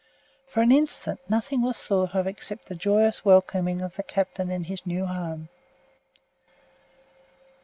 For an instant nothing was thought of except the joyous welcoming of the Captain in his new home.